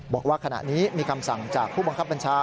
บอกว่าขณะนี้มีคำสั่งจากผู้บังคับบัญชา